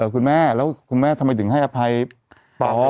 คุณแม่แล้วคุณแม่ทำไมถึงให้อภัยปอ